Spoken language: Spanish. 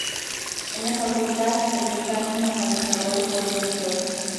En la Facultad el Decano normalizador fue el Dr.